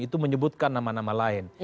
itu menyebutkan nama nama lain